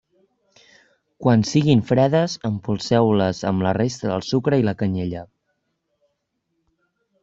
Quan siguin fredes, empolseu-les amb la resta del sucre i la canyella.